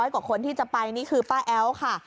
กว่าคนที่จะไปนี่คือป้าแอ๋วค่ะ